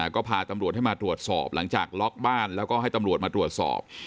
ก็พาตำรวจให้มาตรวจสอบหลังจากล็อกบ้านแล้วก็ให้ตำรวจมาตรวจสอบ